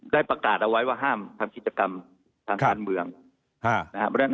ได้ประกาศเอาไว้ว่าห้ามทำกิจกรรมทางการเมืองนะครับ